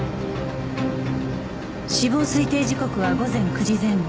死亡推定時刻は午前９時前後